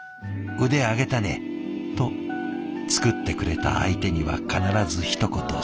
「腕上げたね！」と作ってくれた相手には必ずひと言添えて。